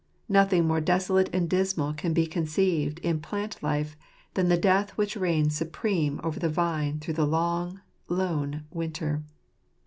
Nothing more desolate and dismal can be conceived in plant life than the death which reigns supreme over the vine through the long, lone, winter.